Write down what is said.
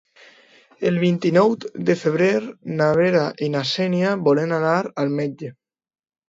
El vint-i-nou de febrer na Vera i na Xènia volen anar al metge.